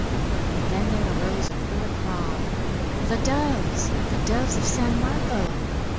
Then there arose a queer cry, "The Doves! The Doves of San Marco!"